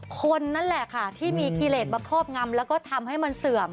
คนนั่นแหละค่ะที่มีกิเลสมาครอบงำแล้วก็ทำให้มันเสื่อม